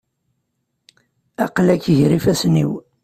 Aql-ik gar yifassen-iw.